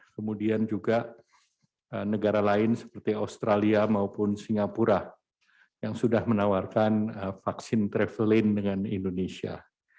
kemudian juga negara lain seperti australia maupun singapura yang sudah menawarkan vaksin traveling dengan indonesia